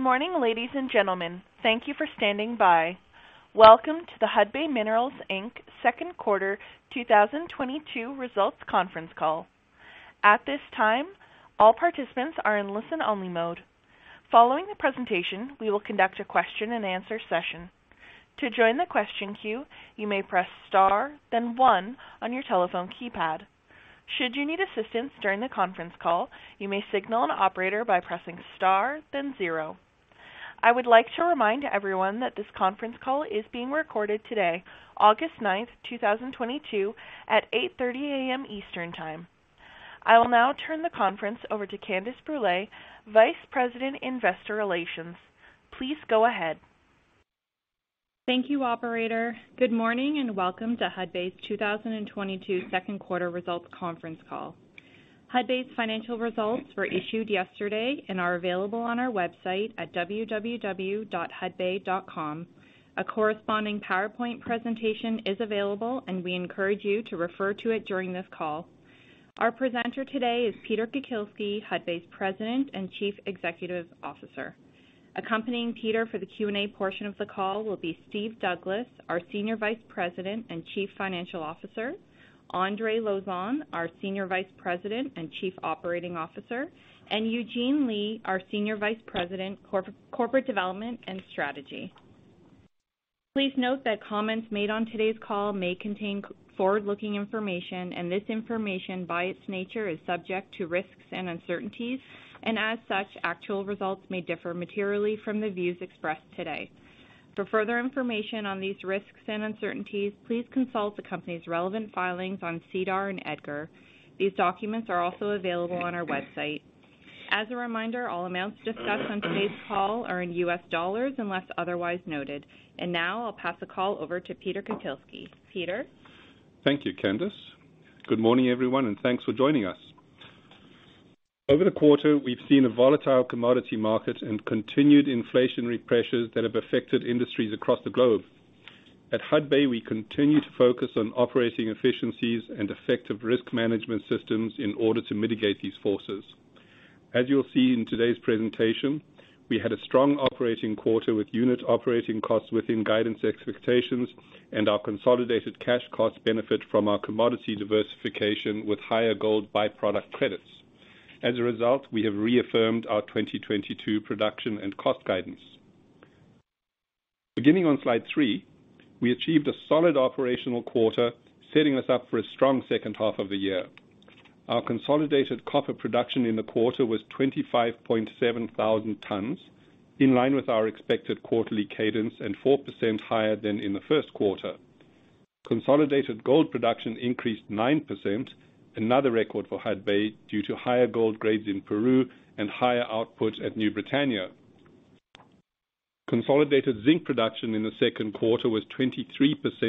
Good morning, ladies and gentlemen. Thank you for standing by. Welcome to the Hudbay Minerals Inc.'s Q2 2022 results conference call. At this time, all participants are in listen-only mode. Following the presentation, we will conduct a question-and-answer session. To join the question queue, you may press star then one on your telephone keypad. Should you need assistance during the conference call, you may signal an operator by pressing star then zero. I would like to remind everyone that this conference call is being recorded today, 9 August 2022, at 8:30 A.M. Eastern Time. I will now turn the conference over to Candace Brûlé, Vice President, Investor Relations. Please go ahead. Thank you, operator. Good morning, and welcome to Hudbay's 2022 second-quarter results conference call. Hudbay's financial results were issued yesterday and are available on our website at www.hudbay.com. A corresponding PowerPoint presentation is available, and we encourage you to refer to it during this call. Our presenter today is Peter Kukielski, Hudbay's President and Chief Executive Officer. Accompanying Peter for the Q&A portion of the call will be Steve Douglas, our Senior Vice President and Chief Financial Officer, Andre Lauzon, our Senior Vice President and Chief Operating Officer, and Eugene Lei, our Senior Vice President, Corporate Development and Strategy. Please note that comments made on today's call may contain forward-looking information, and this information, by its nature, is subject to risks and uncertainties. As such, actual results may differ materially from the views expressed today. For further information on these risks and uncertainties, please consult the company's relevant filings on SEDAR and EDGAR. These documents are also available on our website. As a reminder, all amounts discussed on today's call are in US dollars, unless otherwise noted. Now I'll pass the call over to Peter Kukielski. Peter? Thank you, Candace. Good morning, everyone, and thanks for joining us. Over the quarter, we've seen a volatile commodity market and continued inflationary pressures that have affected industries across the globe. At Hudbay, we continue to focus on operating efficiencies and effective risk management systems in order to mitigate these forces. As you'll see in today's presentation, we had a strong operating quarter with unit operating costs within guidance expectations and our consolidated cash costs benefit from our commodity diversification with higher gold by-product credits. As a result, we have reaffirmed our 2022 production and cost guidance. Beginning on slide 3, we achieved a solid operational quarter, setting us up for a strong H2 of the year. Our consolidated copper production in the quarter was 25,700 tons, in line with our expected quarterly cadence and 4% higher than in the Q1. Consolidated gold production increased 9%, another record for Hudbay, due to higher gold grades in Peru and higher output at New Britannia. Consolidated zinc production in the Q2 was 23%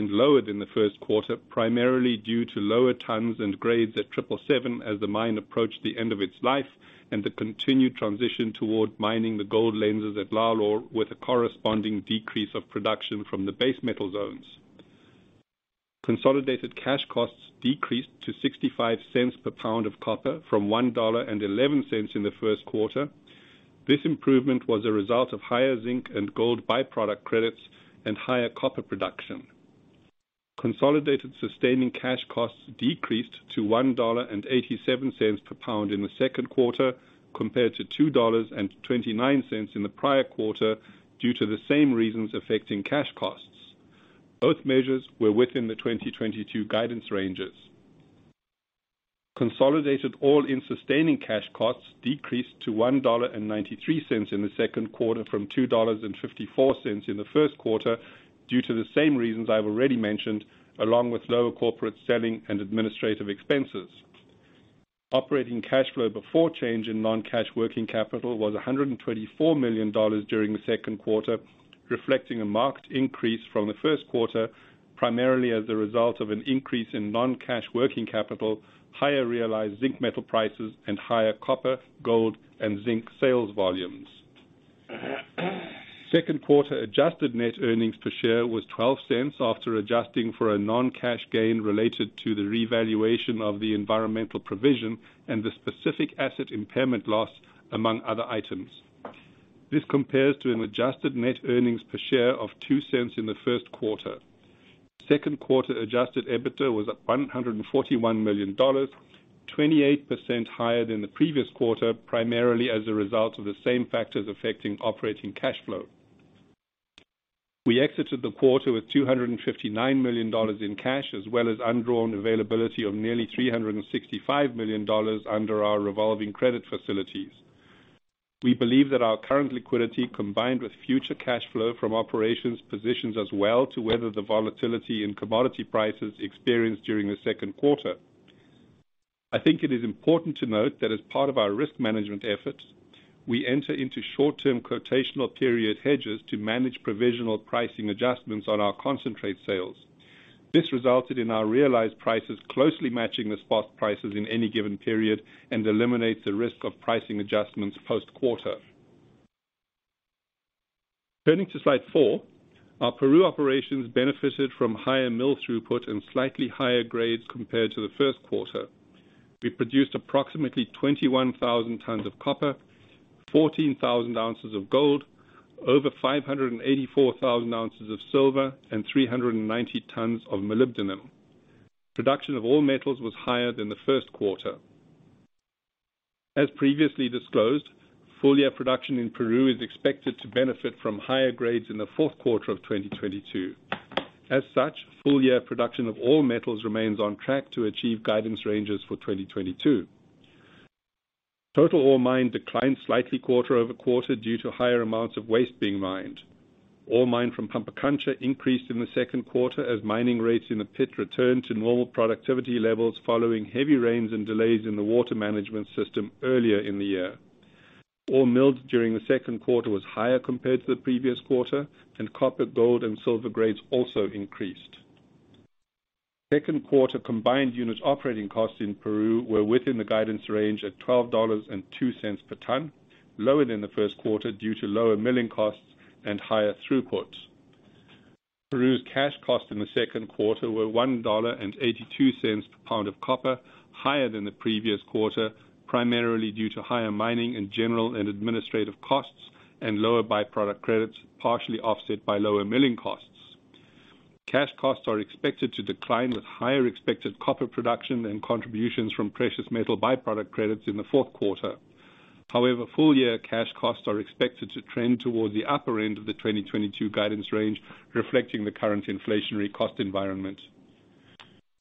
lower than the Q1, primarily due to lower tons and grades at 777 as the mine approached the end of its life and the continued transition toward mining the gold lenses at Lalor with a corresponding decrease of production from the base metal zones. Consolidated cash costs decreased to $0.65 per pound of copper from $1.11 in the Q1. This improvement was a result of higher zinc and gold by-product credits and higher copper production. Consolidated sustaining cash costs decreased to $1.87 per pound in the Q2, compared to $2.29 in the prior quarter, due to the same reasons affecting cash costs. Both measures were within the 2022 guidance ranges. Consolidated all-in sustaining cash costs decreased to $1.93 in the Q2 from $2.54 in the Q1 due to the same reasons I've already mentioned, along with lower corporate, selling, and administrative expenses. Operating cash flow before change in non-cash working capital was $124 million during the Q2, reflecting a marked increase from the Q1, primarily as a result of an increase in non-cash working capital, higher realized zinc metal prices, and higher copper, gold, and zinc sales volumes. Q2 adjusted net earnings per share was $0.12 after adjusting for a non-cash gain related to the revaluation of the environmental provision and the specific asset impairment loss, among other items. This compares to an adjusted net earnings per share of $0.02 in the Q1. Q2 adjusted EBITDA was $141 million, 28% higher than the previous quarter, primarily as a result of the same factors affecting operating cash flow. We exited the quarter with $259 million in cash as well as undrawn availability of nearly $365 million under our revolving credit facilities. We believe that our current liquidity, combined with future cash flow from operations, positions us well to weather the volatility in commodity prices experienced during the Q2. I think it is important to note that as part of our risk management efforts, we enter into short-term quotational period hedges to manage provisional pricing adjustments on our concentrate sales. This resulted in our realized prices closely matching the spot prices in any given period and eliminates the risk of pricing adjustments post-quarter. Turning to slide 4, our Peru operations benefited from higher mill throughput and slightly higher grades compared to the Q1. We produced approximately 21,000 tons of copper, 14,000 ounces of gold, over 584,000 ounces of silver, and 390 tons of molybdenum. Production of all metals was higher than the Q1. As previously disclosed, full year production in Peru is expected to benefit from higher grades in the Q4 of 2022. Full year production of all metals remains on track to achieve guidance ranges for 2022. Total ore mined declined slightly quarter-over-quarter due to higher amounts of waste being mined. Ore mined from Pampacancha increased in the Q2 as mining rates in the pit returned to normal productivity levels following heavy rains and delays in the water management system earlier in the year. Ore milled during the Q2 was higher compared to the previous quarter, and copper, gold and silver grades also increased. Q2 combined unit operating costs in Peru were within the guidance range at $12.02 per ton, lower than the Q1 due to lower milling costs and higher throughputs. Peru's cash costs in the Q2 were $1.82 per pound of copper, higher than the previous quarter, primarily due to higher mining and general and administrative costs and lower byproduct credits, partially offset by lower milling costs. Cash costs are expected to decline with higher expected copper production and contributions from precious metal byproduct credits in the Q4. However, full-year cash costs are expected to trend toward the upper end of the 2022 guidance range, reflecting the current inflationary cost environment.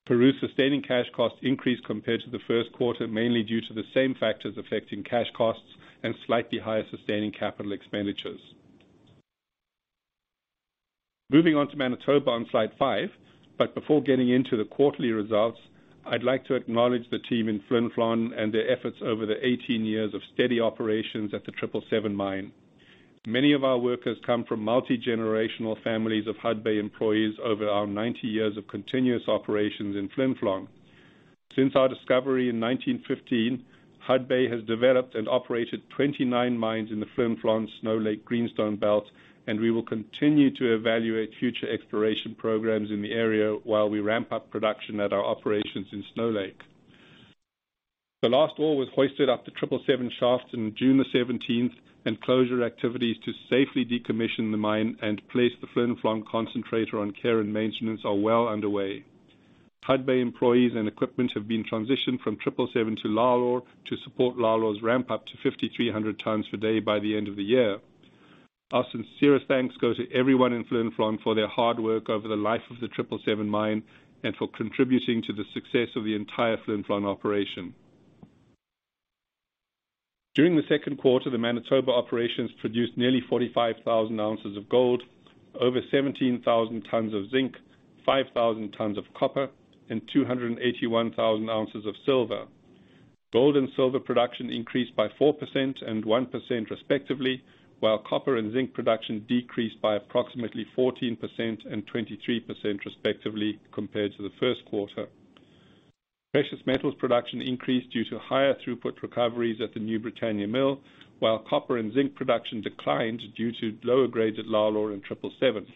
Peru's sustaining cash costs increased compared to the Q1, mainly due to the same factors affecting cash costs and slightly higher sustaining capital expenditures. Moving on to Manitoba on slide 5, but before getting into the quarterly results, I'd like to acknowledge the team in Flin Flon and their efforts over the 18 years of steady operations at the 777 mine. Many of our workers come from multi-generational families of Hudbay employees over our 90 years of continuous operations in Flin Flon. Since our discovery in 1915, Hudbay has developed and operated 29 mines in the Flin Flon Snow Lake Greenstone Belt, and we will continue to evaluate future exploration programs in the area while we ramp up production at our operations in Snow Lake. The last ore was hoisted up the 777 shaft in June 17, and closure activities to safely decommission the mine and place the Flin Flon concentrator on care and maintenance are well underway. Hudbay employees and equipment have been transitioned from 777 to Lalor to support Lalor's ramp up to 5,300 tons per day by the end of the year. Our sincerest thanks go to everyone in Flin Flon for their hard work over the life of the 777 mine and for contributing to the success of the entire Flin Flon operation. During the Q2, the Manitoba operations produced nearly 45,000 ounces of gold, over 17,000 tons of zinc, 5,000 tons of copper and 281,000 ounces of silver. Gold and silver production increased by 4% and 1% respectively, while copper and zinc production decreased by approximately 14% and 23% respectively compared to the Q1. Precious metals production increased due to higher throughput recoveries at the New Britannia mill, while copper and zinc production declined due to lower grades at Lalor and Triple Seven.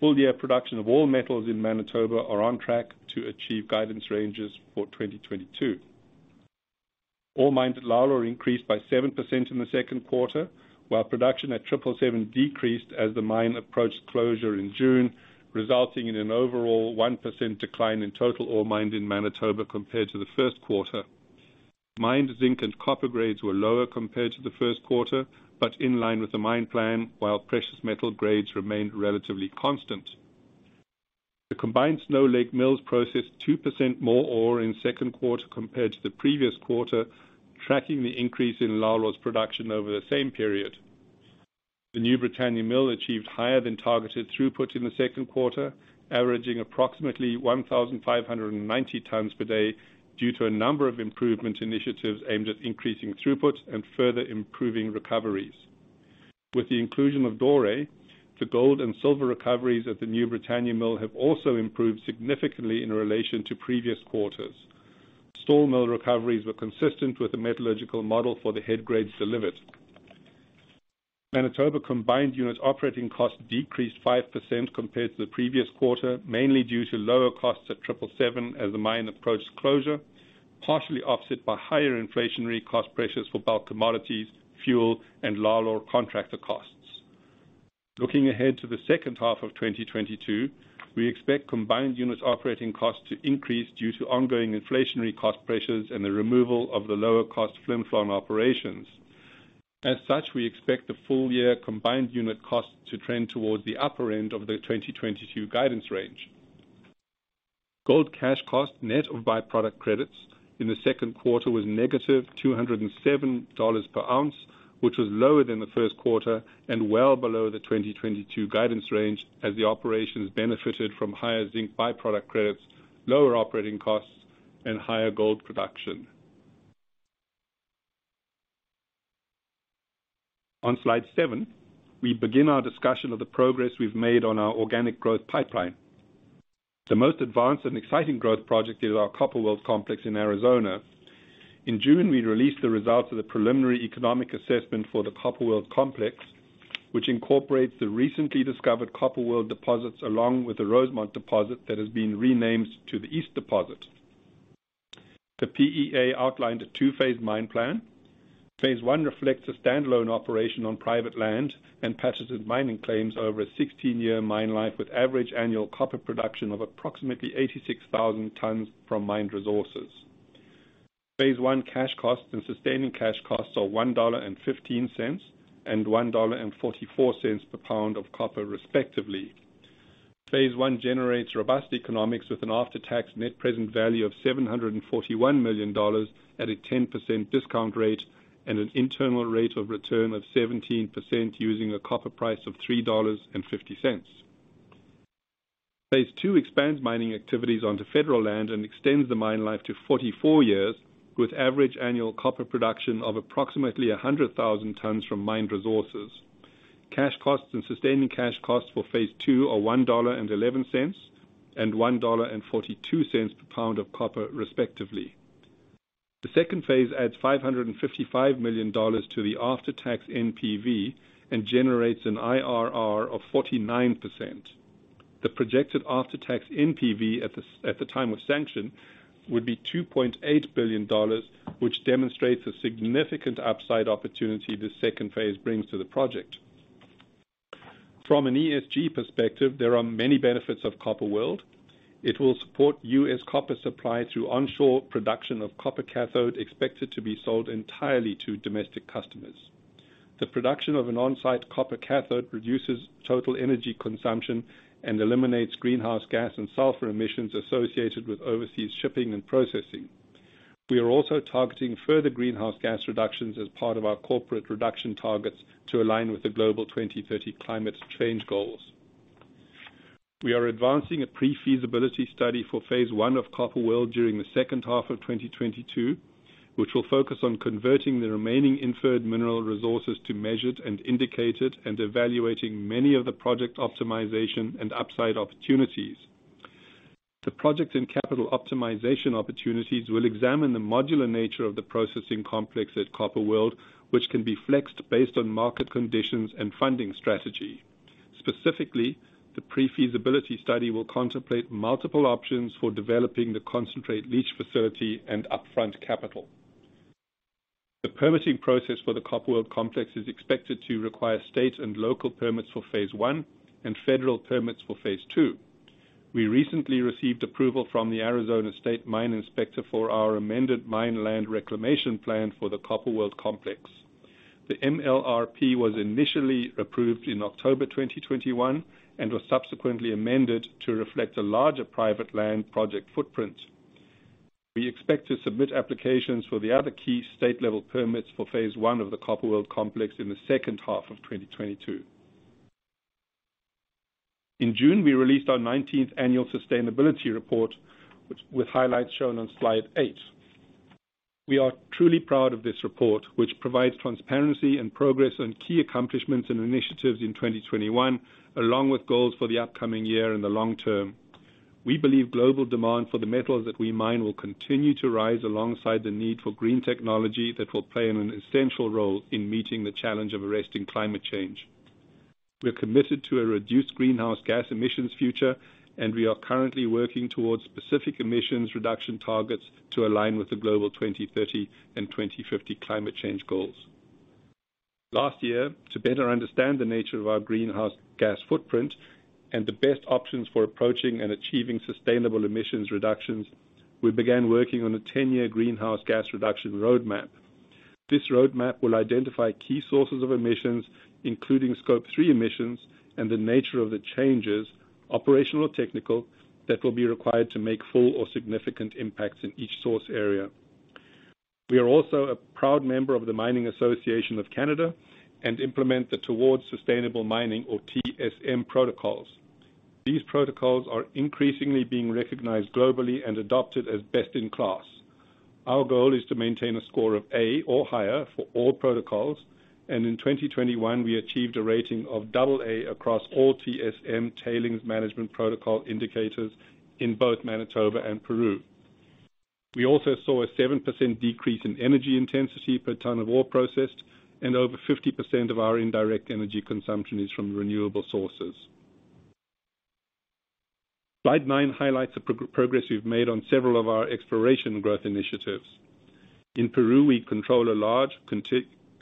Full year production of all metals in Manitoba are on track to achieve guidance ranges for 2022. All mines at Lalor increased by 7% in the Q2, while production at Triple Seven decreased as the mine approached closure in June, resulting in an overall 1% decline in total ore mined in Manitoba compared to the Q1. Mined zinc and copper grades were lower compared to the Q1, but in line with the mine plan, while precious metal grades remained relatively constant. The combined Snow Lake mills processed 2% more ore in the Q2 compared to the previous quarter, tracking the increase in Lalor's production over the same period. The New Britannia Mill achieved higher than targeted throughput in the Q2, averaging approximately 1,590 tons per day due to a number of improvement initiatives aimed at increasing throughput and further improving recoveries. With the inclusion of doré, the gold and silver recoveries at the New Britannia Mill have also improved significantly in relation to previous quarters. Stall mill recoveries were consistent with the metallurgical model for the head grades delivered. Manitoba combined unit operating costs decreased 5% compared to the previous quarter, mainly due to lower costs at 777 as the mine approached closure, partially offset by higher inflationary cost pressures for bulk commodities, fuel and Lalor contractor costs. Looking ahead to the H2 of 2022, we expect combined unit operating costs to increase due to ongoing inflationary cost pressures and the removal of the lower cost Flin Flon operations. As such, we expect the full year combined unit costs to trend towards the upper end of the 2022 guidance range. Gold cash costs net of byproduct credits in the Q2 was negative $207 per ounce, which was lower than the Q1 and well below the 2022 guidance range as the operations benefited from higher zinc byproduct credits, lower operating costs, and higher gold production. On slide 7, we begin our discussion of the progress we've made on our organic growth pipeline. The most advanced and exciting growth project is our Copper World complex in Arizona. In June, we released the results of the preliminary economic assessment for the Copper World complex, which incorporates the recently discovered Copper World deposits, along with the Rosemont deposit that has been renamed to the East deposit. The PEA outlined a two-phase mine plan. Phase one reflects a standalone operation on private land and patented mining claims over a 16-year mine life, with average annual copper production of approximately 86,000 tons from mined resources. Phase one cash costs and sustaining cash costs are $1.15 and $1.44 per pound of copper, respectively. Phase one generates robust economics with an after-tax net present value of $741 million at a 10% discount rate and an internal rate of return of 17% using a copper price of $3.50. Phase two expands mining activities onto federal land and extends the mine life to 44 years, with average annual copper production of approximately 100,000 tons from mined resources. Cash costs and sustaining cash costs for phase 2 are $1.11 and $1.42 per pound of copper, respectively. The second phase adds $555 million to the after-tax NPV and generates an IRR of 49%. The projected after-tax NPV at the time of sanction would be $2.8 billion, which demonstrates a significant upside opportunity the second phase brings to the project. From an ESG perspective, there are many benefits of Copper World. It will support US copper supply through onshore production of copper cathode, expected to be sold entirely to domestic customers. The production of an on-site copper cathode reduces total energy consumption and eliminates greenhouse gas and sulfur emissions associated with overseas shipping and processing. We are also targeting further greenhouse gas reductions as part of our corporate reduction targets to align with the global 2030 climate change goals. We are advancing a pre-feasibility study for phase one of Copper World during the H2 of 2022, which will focus on converting the remaining inferred mineral resources to measured and indicated, and evaluating many of the project optimization and upside opportunities. The project and capital optimization opportunities will examine the modular nature of the processing complex at Copper World, which can be flexed based on market conditions and funding strategy. Specifically, the pre-feasibility study will contemplate multiple options for developing the concentrate leach facility and upfront capital. The permitting process for the Copper World complex is expected to require state and local permits for phase one and federal permits for phase two. We recently received approval from the Arizona State Mine Inspector for our amended mine land reclamation plan for the Copper World complex. The MLRP was initially approved in October 2021 and was subsequently amended to reflect a larger private land project footprint. We expect to submit applications for the other key state-level permits for phase one of the Copper World complex in the H2 of 2022. In June, we released our 19th annual sustainability report, which, with highlights shown on slide 8. We are truly proud of this report, which provides transparency and progress on key accomplishments and initiatives in 2021, along with goals for the upcoming year and the long term. We believe global demand for the metals that we mine will continue to rise alongside the need for green technology that will play an essential role in meeting the challenge of arresting climate change. We are committed to a reduced greenhouse gas emissions future, and we are currently working towards specific emissions reduction targets to align with the global 2030 and 2050 climate change goals. Last year, to better understand the nature of our greenhouse gas footprint and the best options for approaching and achieving sustainable emissions reductions, we began working on a 10-year greenhouse gas reduction roadmap. This roadmap will identify key sources of emissions, including Scope 3 emissions and the nature of the changes, operational or technical, that will be required to make full or significant impacts in each source area. We are also a proud member of the Mining Association of Canada and implement the Towards Sustainable Mining, or TSM, protocols. These protocols are increasingly being recognized globally and adopted as best in class. Our goal is to maintain a score of A or higher for all protocols, and in 2021 we achieved a rating of AA across all TSM Tailings Management protocol indicators in both Manitoba and Peru. We also saw a 7% decrease in energy intensity per ton of ore processed, and over 50% of our indirect energy consumption is from renewable sources. Slide 9 highlights the progress we've made on several of our exploration growth initiatives. In Peru, we control a large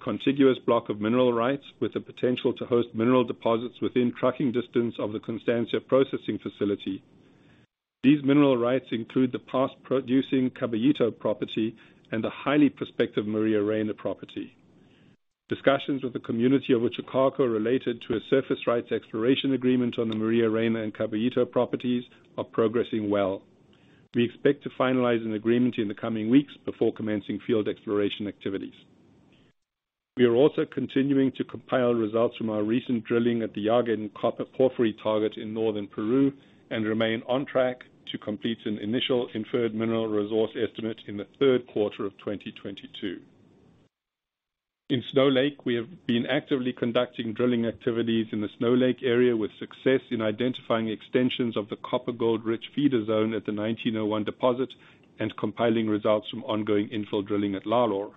contiguous block of mineral rights with the potential to host mineral deposits within trucking distance of the Constancia processing facility. These mineral rights include the past producing Caballito property and the highly prospective Maria Reina property. Discussions with the community of Uchucarcco related to a surface rights exploration agreement on the Maria Reina and Caballito properties are progressing well. We expect to finalize an agreement in the coming weeks before commencing field exploration activities. We are also continuing to compile results from our recent drilling at the Llaguen copper porphyry target in northern Peru and remain on track to complete an initial inferred mineral resource estimate in the Q3 of 2022. In Snow Lake, we have been actively conducting drilling activities in the Snow Lake area with success in identifying extensions of the copper gold rich feeder zone at the 1901 deposit and compiling results from ongoing infill drilling at Lalor.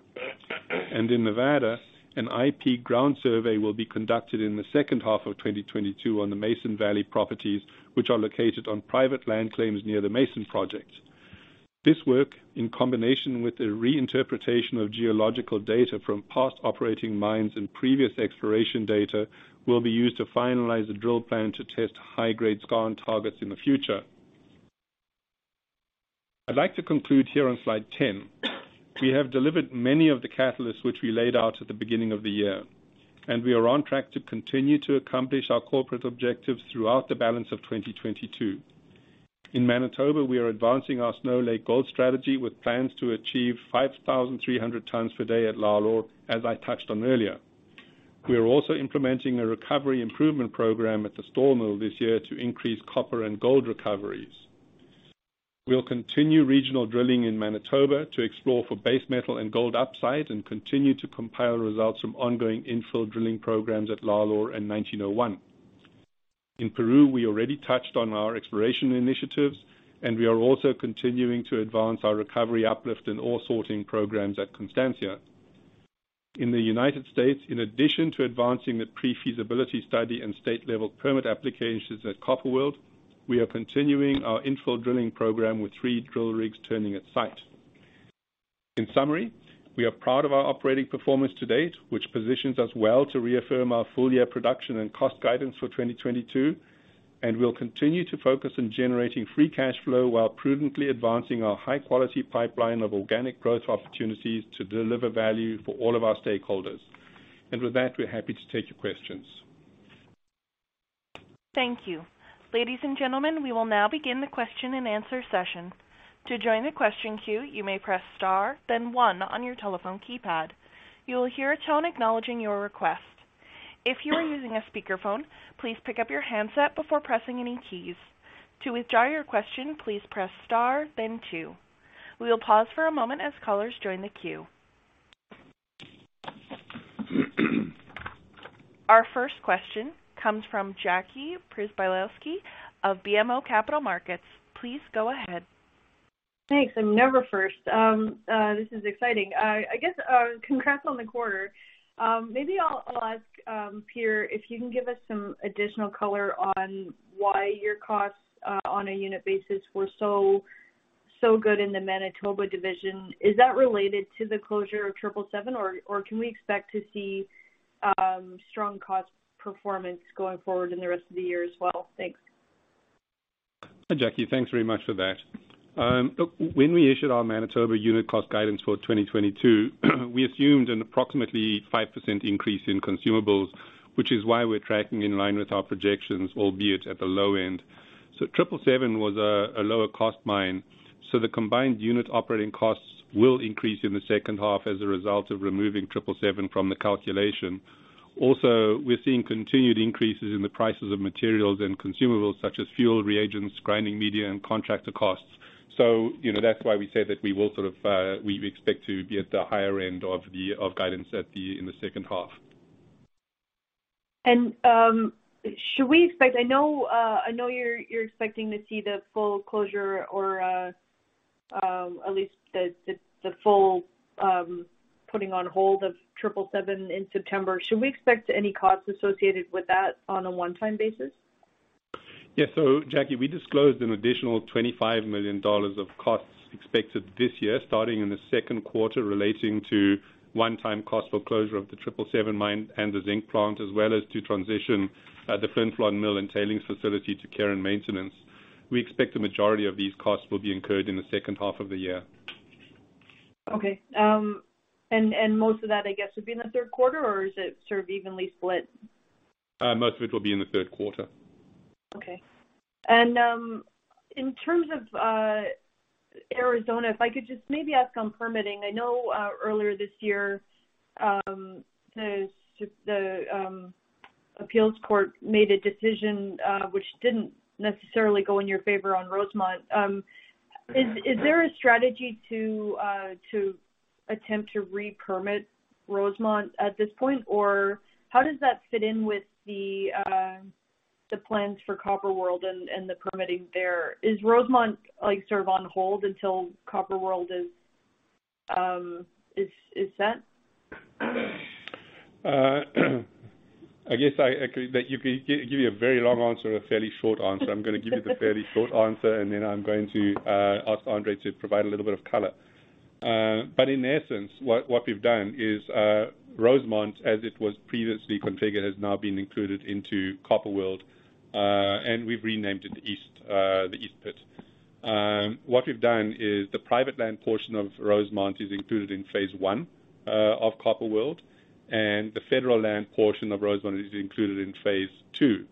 In Nevada, an IP ground survey will be conducted in the H2 of 2022 on the Mason Valley properties, which are located on private land claims near the Mason project. This work, in combination with a reinterpretation of geological data from past operating mines and previous exploration data, will be used to finalize the drill plan to test high-grade skarn targets in the future. I'd like to conclude here on slide 10. We have delivered many of the catalysts which we laid out at the beginning of the year, and we are on track to continue to accomplish our corporate objectives throughout the balance of 2022. In Manitoba, we are advancing our Snow Lake gold strategy with plans to achieve 5,300 tons per day at Lalor, as I touched on earlier. We are also implementing a recovery improvement program at the Stall mill this year to increase copper and gold recoveries. We'll continue regional drilling in Manitoba to explore for base metal and gold upside and continue to compile results from ongoing infill drilling programs at Lalor and 1901. In Peru, we already touched on our exploration initiatives, and we are also continuing to advance our recovery uplift and ore sorting programs at Constancia. In the United States, in addition to advancing the pre-feasibility study and state level permit applications at Copper World, we are continuing our infill drilling program with three drill rigs turning at site. In summary, we are proud of our operating performance to date, which positions us well to reaffirm our full year production and cost guidance for 2022, and we'll continue to focus on generating free cash flow while prudently advancing our high quality pipeline of organic growth opportunities to deliver value for all of our stakeholders. With that, we're happy to take your questions. Thank you. Ladies and gentlemen, we will now begin the question-and-answer session. To join the question queue, you may press star then one on your telephone keypad. You will hear a tone acknowledging your request. If you are using a speakerphone, please pick up your handset before pressing any keys. To withdraw your question, please press star then two. We will pause for a moment as callers join the queue. Our first question comes from Jackie Przybylowski of BMO Capital Markets. Please go ahead. Thanks. I'm never first. This is exciting. I guess, congrats on the quarter. Maybe I'll ask, Peter, if you can give us some additional color on why your costs, on a unit basis were so good in the Manitoba division. Is that related to the closure of 777, or can we expect to see strong cost performance going forward in the rest of the year as well? Thanks. Hi, Jackie. Thanks very much for that. Look, when we issued our Manitoba unit cost guidance for 2022, we assumed an approximately 5% increase in consumables, which is why we're tracking in line with our projections, albeit at the low end. 777 was a lower cost mine, so the combined unit operating costs will increase in the H2 as a result of removing 777 from the calculation. Also, we're seeing continued increases in the prices of materials and consumables such as fuel, reagents, grinding media, and contractor costs. You know, that's why we said that we will sort of we expect to be at the higher end of the guidance in the H2. Should we expect I know you're expecting to see the full closure or at least the full putting on hold of 777 in September. Should we expect any costs associated with that on a one-time basis? Yeah. Jackie, we disclosed an additional $25 million of costs expected this year, starting in the Q2 relating to one-time cost for closure of the 777 mine and the zinc plant, as well as to transition the Flin Flon mill and tailings facility to care and maintenance. We expect the majority of these costs will be incurred in the H2 of the year. Okay. Most of that, I guess, would be in the Q3, or is it sort of evenly split? Most of it will be in the Q3. Okay. In terms of Arizona, if I could just maybe ask on permitting. I know earlier this year the appeals court made a decision which didn't necessarily go in your favor on Rosemont. Is there a strategy to attempt to re-permit Rosemont at this point? Or how does that fit in with the plans for Copper World and the permitting there? Is Rosemont like sort of on hold until Copper World is set? I guess I could give you a very long answer or a fairly short answer. I'm gonna give you the fairly short answer, and then I'm going to ask Andre to provide a little bit of color. But in essence, what we've done is Rosemont, as it was previously configured, has now been included into Copper World, and we've renamed it East, the East Pit. What we've done is the private land portion of Rosemont is included in phase one of Copper World, and the federal land portion of Rosemont is included in phase two.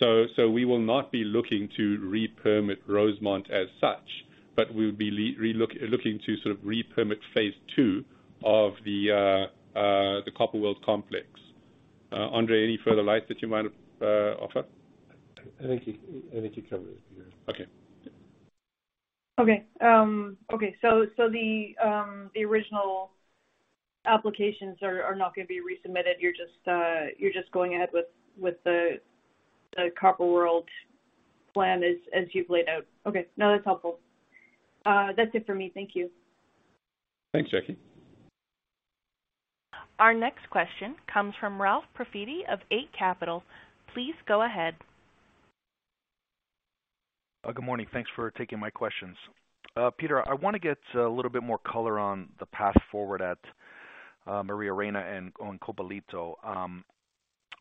We will not be looking to re-permit Rosemont as such, but we'll be looking to sort of re-permit phase two of the Copper World complex. Andre, any further light that you might offer? I think you covered it, Peter. Okay. Okay. Okay, so the original applications are not gonna be resubmitted. You're just going ahead with the Copper World plan as you've laid out. Okay. No, that's helpful. That's it for me. Thank you. Thanks, Jackie. Our next question comes from Ralph Profiti of Eight Capital. Please go ahead. Good morning. Thanks for taking my questions. Peter, I wanna get a little bit more color on the path forward at Maria Reina and on Caballito.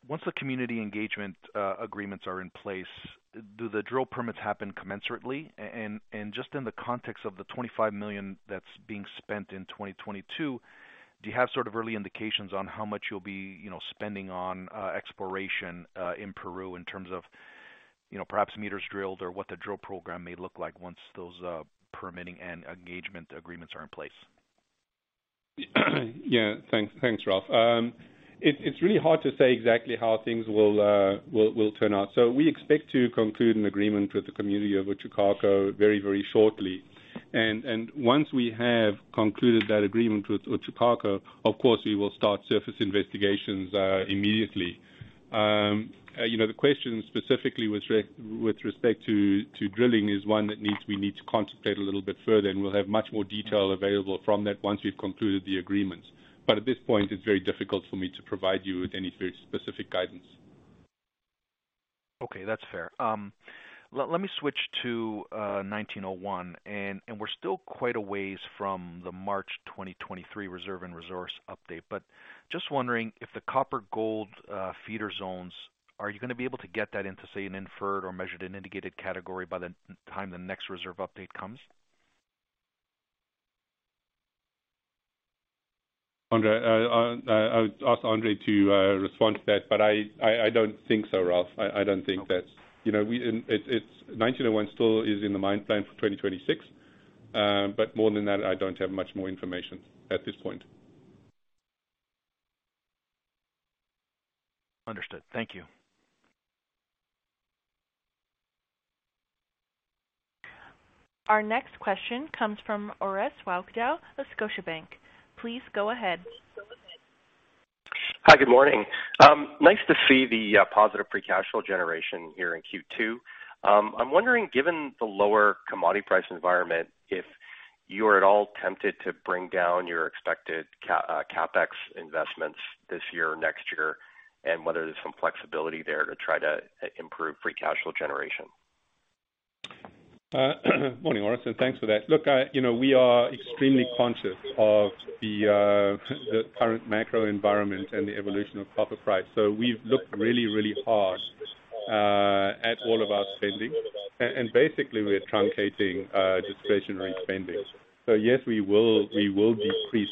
Once the community engagement agreements are in place, do the drill permits happen commensurately? And just in the context of the $25 million that's being spent in 2022, do you have sort of early indications on how much you'll be, you know, spending on exploration in Peru in terms of, you know, perhaps meters drilled or what the drill program may look like once those permitting and engagement agreements are in place? Yeah. Thanks. Thanks, Ralph. It's really hard to say exactly how things will turn out. We expect to conclude an agreement with the community of Uchucarcco very shortly. Once we have concluded that agreement with Uchucarcco, of course, we will start surface investigations immediately. You know, the question specifically with respect to drilling is one that we need to contemplate a little bit further, and we'll have much more detail available from that once we've concluded the agreements. At this point, it's very difficult for me to provide you with any very specific guidance. Okay. That's fair. Let me switch to 1901, and we're still quite a way from the March 2023 reserve and resource update. Just wondering if the copper gold feeder zones are you gonna be able to get that into, say, an inferred or measured and indicated category by the time the next reserve update comes? Andre, I'll ask Andre to respond to that, but I don't think so, Ralph. I don't think that's, you know, and it's 1901 still is in the mine plan for 2026, but more than that, I don't have much more information at this point. Understood. Thank you. Our next question comes from Orest Wowkodaw of Scotiabank. Please go ahead. Hi. Good morning. Nice to see the positive free cash flow generation here in Q2. I'm wondering, given the lower commodity price environment, if you're at all tempted to bring down your expected CapEx investments this year or next year, and whether there's some flexibility there to try to improve free cash flow generation? Morning, Orest, and thanks for that. Look, you know, we are extremely conscious of the current macro environment and the evolution of copper price. We've looked really hard at all of our spending. Basically, we're truncating discretionary spending. Yes, we will decrease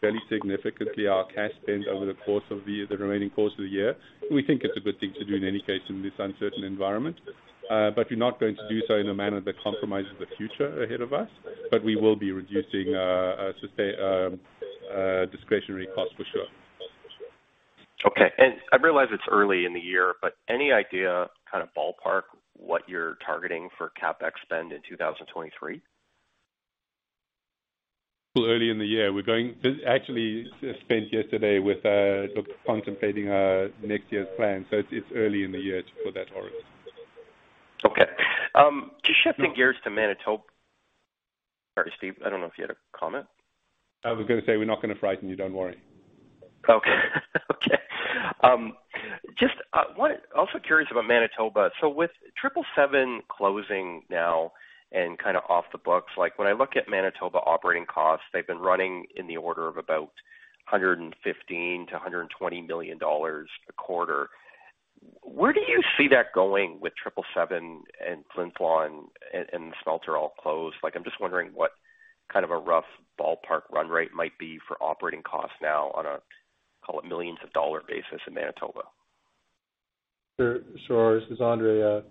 very significantly our cash spend over the course of the year, the remaining course of the year. We think it's a good thing to do in any case in this uncertain environment. We're not going to do so in a manner that compromises the future ahead of us. We will be reducing discretionary costs for sure. Okay. I realize it's early in the year, but any idea, kind of ballpark, what you're targeting for CapEx spend in 2023? Well, early in the year, actually spent yesterday with look contemplating our next year's plan, so it's early in the year for that, Orest. Okay. Just shifting gears to Manitoba. Sorry, Steve, I don't know if you had a comment. I was gonna say we're not gonna frighten you. Don't worry. Okay. Also curious about Manitoba. With Triple Seven closing now and kind of off the books, like when I look at Manitoba operating costs, they've been running in the order of about $115 to 120 million a quarter. Where do you see that going with Triple Seven and Flin Flon and the smelter all closed? Like, I'm just wondering what kind of a rough ballpark run rate might be for operating costs now on a, call it, millions of dollars basis in Manitoba. Sure, Orest. This is Andre.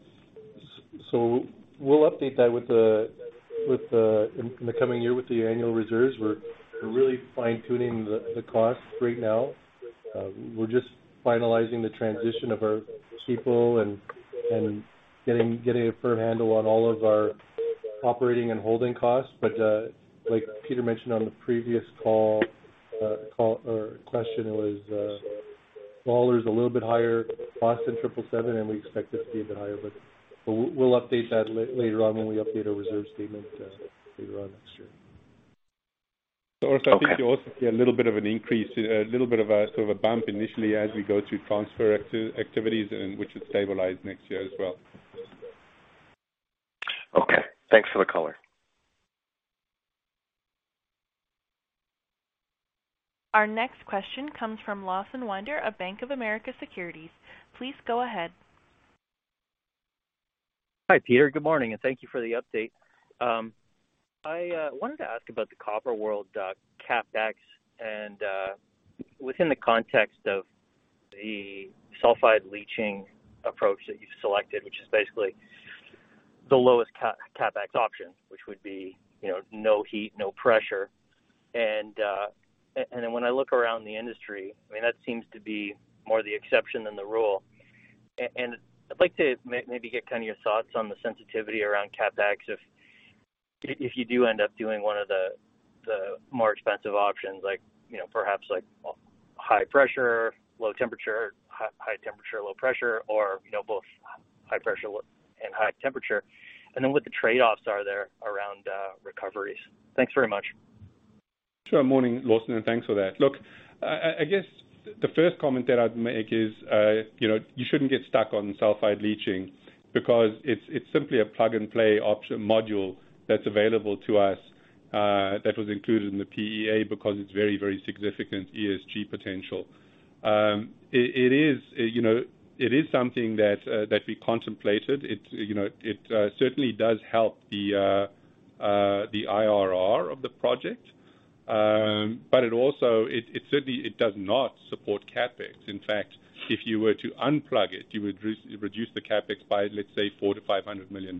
So we'll update that with the in the coming year with the annual reserves. We're really fine-tuning the costs right now. We're just finalizing the transition of our people and getting a firm handle on all of our operating and holding costs. Like Peter mentioned on the previous call, Lalor is a little bit higher cost than 777, and we expect this to be even higher. We'll update that later on when we update our reserve statement later on next year. Orest, I think you'll also see a little bit of an increase, a little bit of a, sort of a bump initially as we go through transfer activities and which should stabilize next year as well. Okay. Thanks for the color. Our next question comes from Lawson Winder of Bank of America Securities. Please go ahead. Hi, Peter. Good morning, and thank you for the update. I wanted to ask about the Copper World CapEx, and within the context of the sulfide leaching approach that you've selected, which is basically the lowest CapEx option, which would be, you know, no heat, no pressure. Then when I look around the industry, I mean, that seems to be more the exception than the rule. I'd like to maybe get kind of your thoughts on the sensitivity around CapEx if you do end up doing one of the more expensive options, like, you know, perhaps like, well, high pressure, low temperature, high temperature, low pressure, or, you know, both high pressure, low and high temperature, and then what the trade-offs are there around recoveries. Thanks very much. Sure. Morning, Lawson, and thanks for that. Look, I guess the first comment that I'd make is, you know, you shouldn't get stuck on sulfide leaching because it's simply a plug-and-play option module that's available to us, that was included in the PEA because it's very, very significant ESG potential. It is, you know, something that we contemplated it. You know, it certainly does help the IRR of the project. But it also certainly does not support CapEx. In fact, if you were to unplug it, you would reduce the CapEx by, let's say, $400 to 500 million.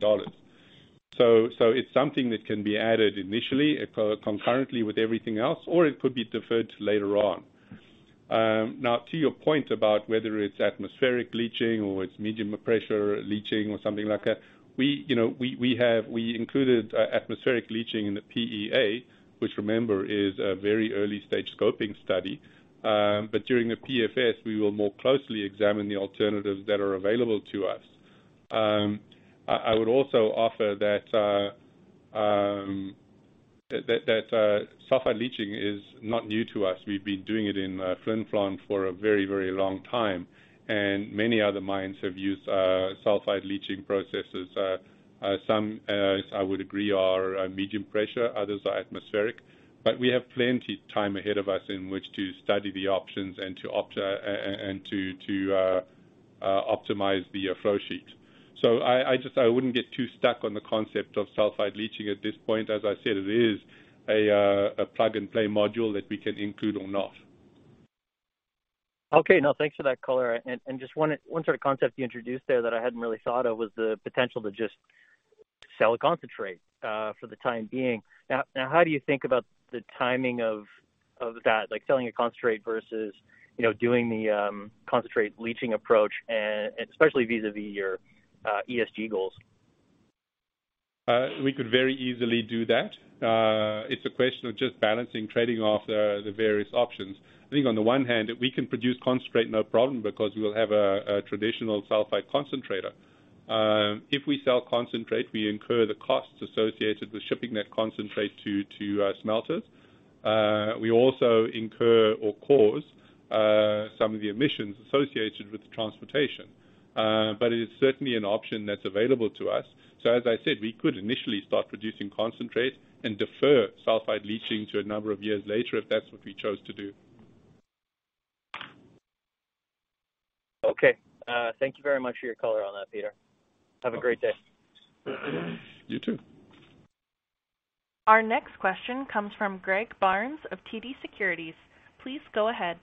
It's something that can be added initially, concurrently with everything else, or it could be deferred to later on. Now, to your point about whether it's atmospheric leaching or it's medium pressure leaching or something like that, you know, we have included atmospheric leaching in the PEA, which remember is a very early-stage scoping study. During the PFS, we will more closely examine the alternatives that are available to us. I would also offer that sulfide leaching is not new to us. We've been doing it in Flin Flon for a very long time, and many other mines have used sulfide leaching processes. Some, as I would agree, are medium pressure, others are atmospheric. We have plenty time ahead of us in which to study the options and to optimize the flow sheet. I just wouldn't get too stuck on the concept of sulfide leaching at this point. As I said, it is a plug-and-play module that we can include or not. Okay. No, thanks for that color. Just one sort of concept you introduced there that I hadn't really thought of was the potential to just sell a concentrate for the time being. Now, how do you think about the timing of that, like selling a concentrate versus, you know, doing the concentrate leaching approach, especially vis-à-vis your ESG goals? We could very easily do that. It's a question of just balancing, trading off the various options. I think on the one hand, we can produce concentrate, no problem, because we will have a traditional sulfide concentrator. If we sell concentrate, we incur the costs associated with shipping that concentrate to smelters. We also incur or cause some of the emissions associated with the transportation. But it is certainly an option that's available to us. As I said, we could initially start producing concentrate and defer sulfide leaching to a number of years later, if that's what we chose to do. Okay. Thank you very much for your color on that, Peter. Have a great day. You too. Our next question comes from Greg Barnes of TD Securities. Please go ahead.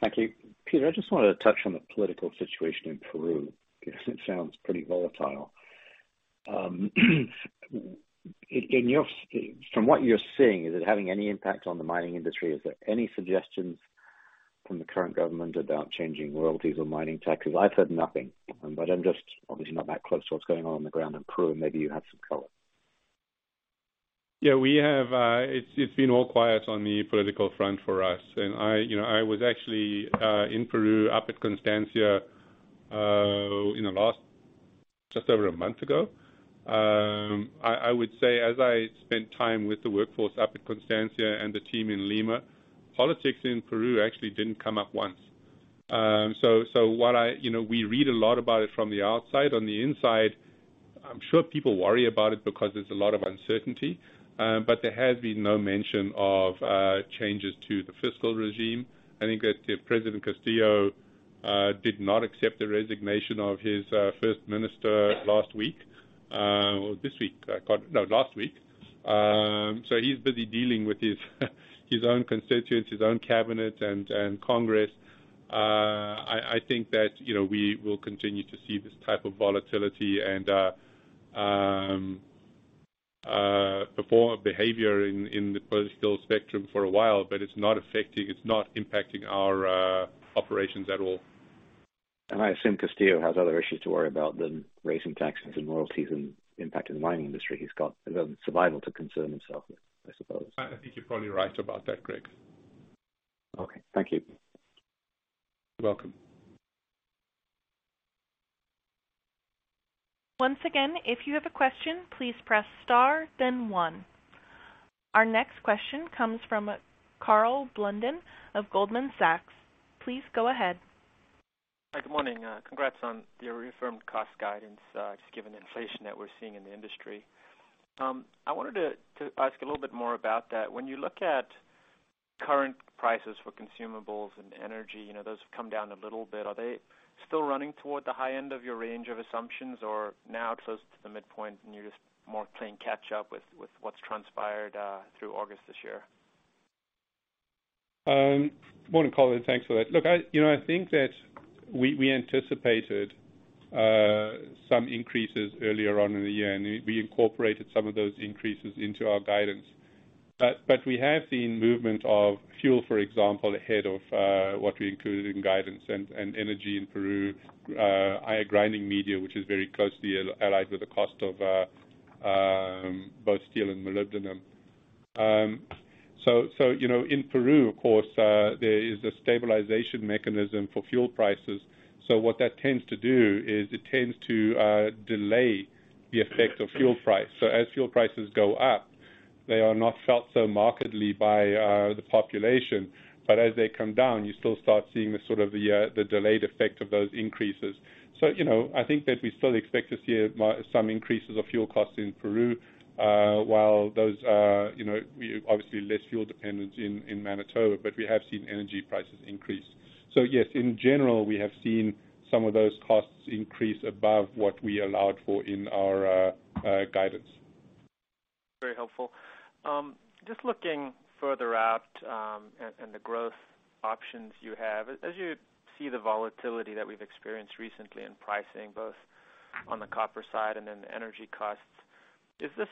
Thank you. Peter, I just wanted to touch on the political situation in Peru because it sounds pretty volatile. From what you're seeing, is it having any impact on the mining industry? Is there any suggestions from the current government about changing royalties or mining taxes? I've heard nothing, but I'm just obviously not that close to what's going on on the ground in Peru, and maybe you have some color. Yeah, we have, it's been all quiet on the political front for us. You know, I was actually in Peru up at Constancia just over a month ago. I would say as I spent time with the workforce up at Constancia and the team in Lima, politics in Peru actually didn't come up once. So, you know, we read a lot about it from the outside. On the inside, I'm sure people worry about it because there's a lot of uncertainty, but there has been no mention of changes to the fiscal regime. I think that President Castillo did not accept the resignation of his first minister last week. He's busy dealing with his own constituents, his own cabinet and congress. I think that, you know, we will continue to see this type of volatility and performative behavior in the political spectrum for a while, but it's not affecting, it's not impacting our operations at all. I assume Castillo has other issues to worry about than raising taxes and royalties and impacting the mining industry. He's got, you know, survival to concern himself with, I suppose. I think you're probably right about that, Greg. Okay. Thank you. You're welcome. Once again, if you have a question, please press star then one. Our next question comes from Karl Blunden of Goldman Sachs. Please go ahead. Hi, good morning. Congrats on your reaffirmed cost guidance, just given the inflation that we're seeing in the industry. I wanted to ask a little bit more about that. When you look at current prices for consumables and energy, you know, those have come down a little bit, are they still running toward the high end of your range of assumptions or now close to the midpoint, and you're just more playing catch up with what's transpired through August this year? Good morning, Karl, and thanks for that. Look, I, you know, I think that we anticipated some increases earlier on in the year, and we incorporated some of those increases into our guidance. We have seen movement of fuel, for example, ahead of what we included in guidance and energy in Peru, iron grinding media, which is very closely allied with the cost of both steel and molybdenum. You know, in Peru, of course, there is a stabilization mechanism for fuel prices. What that tends to do is it tends to delay the effect of fuel price. As fuel prices go up, they are not felt so markedly by the population. As they come down, you still start seeing the sort of the delayed effect of those increases. You know, I think that we still expect to see some increases of fuel costs in Peru, while those are, you know, we obviously less fuel dependent in Manitoba, but we have seen energy prices increase. Yes, in general, we have seen some of those costs increase above what we allowed for in our guidance. Very helpful. Just looking further out, and the growth options you have, as you see the volatility that we've experienced recently in pricing, both on the copper side and then the energy costs, is this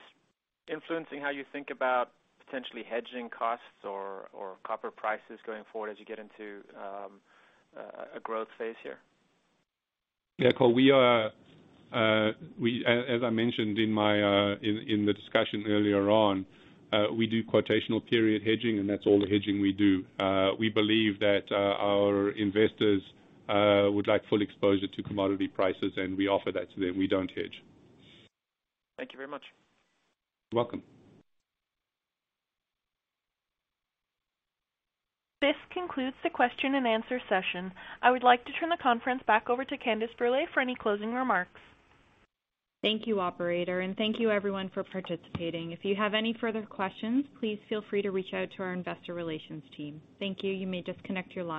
influencing how you think about potentially hedging costs or copper prices going forward as you get into a growth phase here? Yeah, Cole, as I mentioned in my in the discussion earlier on, we do quotational period hedging, and that's all the hedging we do. We believe that our investors would like full exposure to commodity prices, and we offer that to them. We don't hedge. Thank you very much. You're welcome. This concludes the question-and-answer session. I would like to turn the conference back over to Candace Brûlé for any closing remarks. Thank you, operator, and thank you everyone for participating. If you have any further questions, please feel free to reach out to our investor relations team. Thank you. You may disconnect your line.